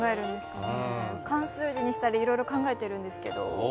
漢数字にしたり、いろいろ考えているんですけど。